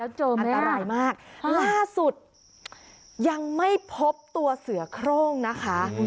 อันตรายมากล่าสุดยังไม่พบตัวเสือโครงนะคะ